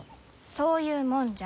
そういうもんじゃ。